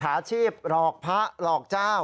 อาชีพหลอกพระหลอกเจ้า